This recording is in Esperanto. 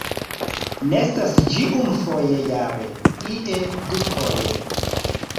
Nestas ĝi unufoje jare, ie dufoje.